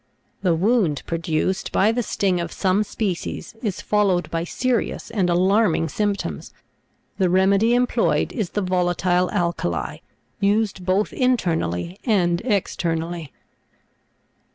The wound produced by the sting of some species is followed by serious and alarming symp toms. The remedy employed is the volatile alkali, used both internally and externally.